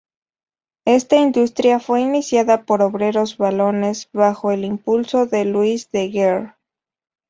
Esta industria fue iniciada por obreros valones bajo el impulso de Louis de Geer.